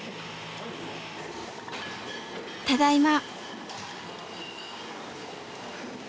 「ただいま」。